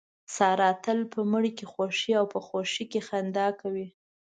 ساره تل په مړي کې خوښي او په خوښۍ کې خندا ګانې کوي.